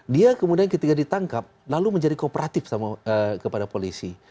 dia kemudian ketika ditangkap lalu menjadi kooperatif kepada polisi